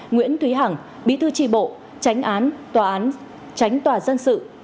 nguyễn thúy hằng bí thư tri bộ tránh án tòa án tránh tòa dân sự